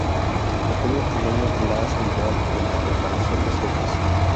Su pequeño tamaño la hace ideal en la preparación de sopas.